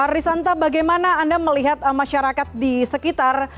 risanta bagaimana anda melihat masyarakat di sekitar